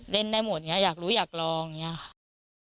เล่นได้หมดอย่างนี้อยากรู้อยากลองอย่างนี้ค่ะ